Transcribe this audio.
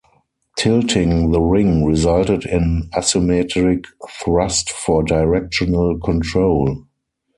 Tilting the ring resulted in asymmetric thrust for directional control.